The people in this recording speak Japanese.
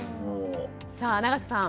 さあ永瀬さん